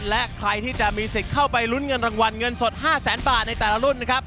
และใครที่จะมีสิทธิ์เข้าไปลุ้นเงินรางวัลเงินสด๕แสนบาทในแต่ละรุ่นนะครับ